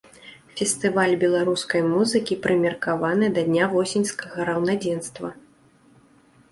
Фестываль беларускай музыкі прымеркаваны да дня восеньскага раўнадзенства.